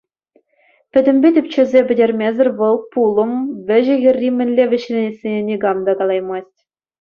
Пӗтӗмпе тӗпчесе пӗтермесӗр вӑл пулӑм вӗҫӗ-хӗрри мӗнле вӗҫленессине никам та калаймасть.